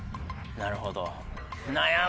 なるほど。